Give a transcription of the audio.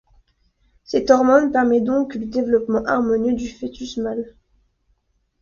Cette hormone permet donc le développement harmonieux du fœtus mâle.